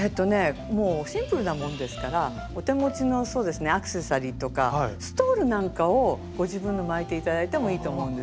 もうシンプルなものですからお手持ちのアクセサリーとかストールなんかをご自分のを巻いて頂いてもいいと思うんですよね。